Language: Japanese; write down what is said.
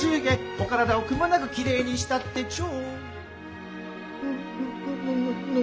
お体をくまなくきれいにしたってちょ。